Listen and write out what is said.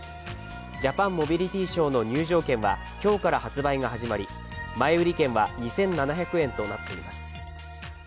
ジャパンモビリティショーの入場券は今日から発売が始まり、前売り券は２７００円となっています。